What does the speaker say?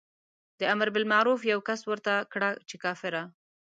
د امر بالمعروف یوه کس ورته کړه چې کافره.